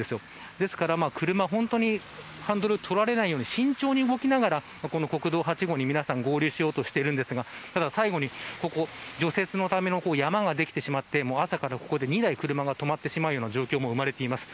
ですから、車本当に、ハンドルを取られないように慎重に動きながらこの国道８号に合流しようとしているんですがただ最後に除雪のための山ができてしまって朝から、ここで２台車が止まってしまうような状況も生まれています。